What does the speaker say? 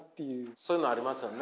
そういうのありますよね。